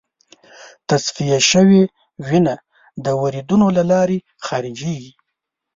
تصفیه شوې وینه د وریدونو له لارې خارجېږي.